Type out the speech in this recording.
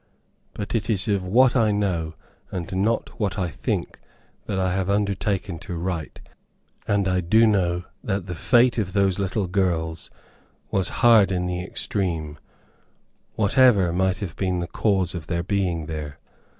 But it is of what I know, and not what I think, that I have undertaken to write, and I do know that the fate of those little girls was hard in the extreme, whatever might have been the cause of their being there.